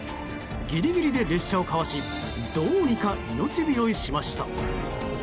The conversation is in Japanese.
ギリギリで列車をかわしどうにか命拾いしました。